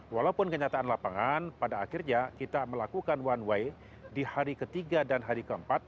walaupun kenyataan lapangan pada akhirnya kita melakukan one way di hari ketiga dan hari keempat